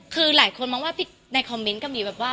คือหลายคนมองว่าในคอมเมนต์ก็มีแบบว่า